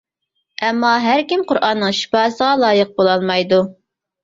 ئەمما ھەركىم قۇرئاننىڭ شىپاسىغا لايىق بولالمايدۇ.